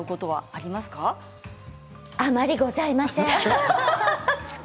あまりございません。